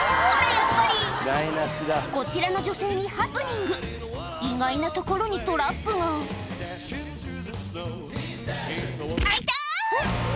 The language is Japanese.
やっぱりこちらの女性にハプニング意外なところにトラップが「あ痛っ！」